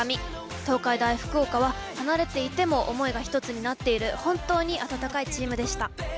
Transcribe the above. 東海大福岡は離れていても思いが１つになっている本当に温かいチームでした。